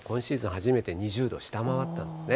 初めて２０度下回ったんですね。